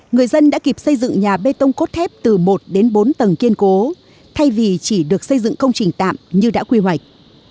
người dân đã kịp xây dựng nhà bê tông cốt thép từ một đến bốn tầng kiên cố thay vì chỉ được xây dựng công trình tạm như đã quy hoạch